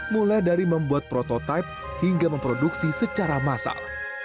mulai dari membuat prototipe hingga memproduksi secara massal